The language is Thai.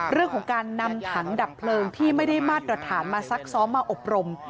เรื่องของการนำถังดับเพลิงที่ไม่ได้มาตรฐานมาซักซ้อมมาอบรม